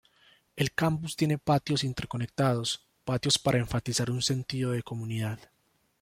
El campus tiene patios interconectados patios para enfatizar un sentido de comunidad.